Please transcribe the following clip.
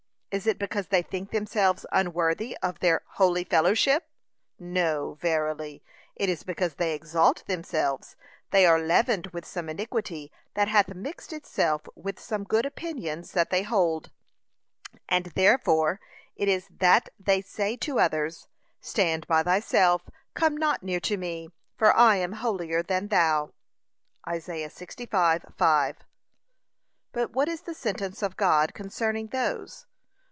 Is it because they think themselves unworthy of their holy fellowship? No, verily; it is because they exalt themselves, they are leavened with some iniquity that hath mixed itself with some good opinions that they hold, and therefore it is that they say to others, 'Stand by thyself, come not near to me, for I am holier than thou.' (Isa. 65:5) But what is the sentence of God concerning those?